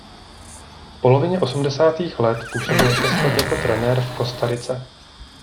V polovině osmdesátých let působil šest let jako trenér v Kostarice.